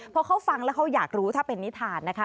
พอเขาฟังแล้วเขาอยากรู้ถ้าเป็นนิทานนะคะ